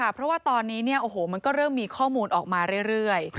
เพราะว่าตอนนี้มันก็เริ่มมีข้อมูลออกมาเรื่อย